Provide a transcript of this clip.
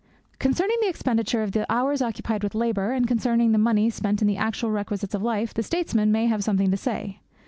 Concerning the expenditure of the hours occupied with labour, and concerning the money spent in the actual requisites of life, the statesman may have something to say.